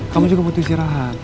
kamu juga butuh istirahat